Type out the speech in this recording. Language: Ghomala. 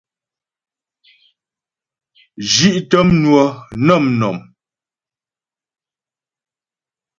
Zhí'tə mnwə nə mnɔ̀m.